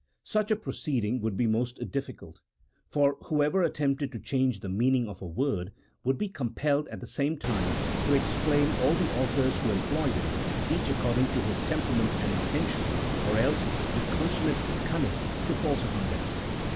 Such a proceeding would be most difficult ; for whoever attempted to change the meaning of a word, would be compelled, at the same time, to explain all the authors who employed it, each according to his tem perament and intention, or else, with consummate cunning, to falsify them.